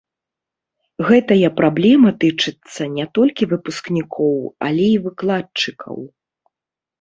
Гэтая праблема тычыцца не толькі выпускнікоў, але і выкладчыкаў.